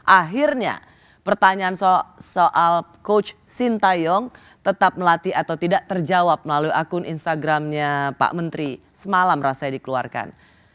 akhirnya pertanyaan soal coach sintayong tetap melatih atau tidak terjawab melalui akun instagramnya pak menteri semalam rasanya dikeluarkan